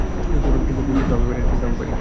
কিন্তু আমি পারি না!